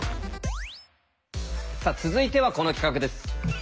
さあ続いてはこの企画です。